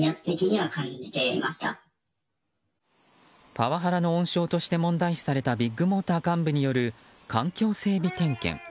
パワハラの温床として問題視されたビッグモーター幹部による環境整備点検。